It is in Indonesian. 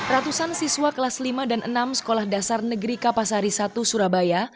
ratusan siswa kelas lima dan enam sekolah dasar negeri kapasari satu surabaya